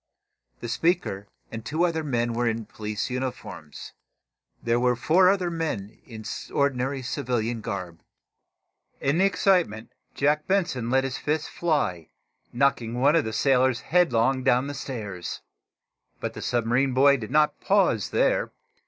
The speaker and two other men were in police uniforms. Four other men there were in ordinary civilian garb. In the excitement Jack Benson let his fist fly, knocking one of the sailors headlong down the stairs. But the submarine boy did not pause there.